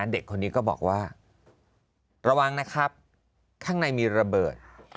เด็กคนนี้ก็บอกว่าระวังนะครับข้างในมีระเบิด